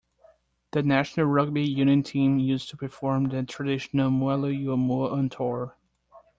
The national rugby union team used to perform the traditional 'Maulu'ulu Moa' on tour.